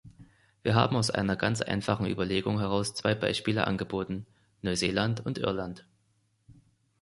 Wir haben aus einer ganz einfachen Überlegung heraus zwei Beispiele angeboten: Neuseeland und Irland.